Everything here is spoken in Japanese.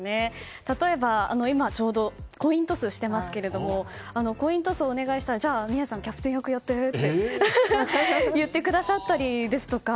例えば、ちょうどコイントスしてますけれどもコイントスをお願いしたらじゃあ宮司さんキャプテン役やってって言ってくださったりですとか。